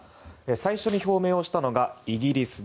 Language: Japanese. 最初に表明したのがイギリス。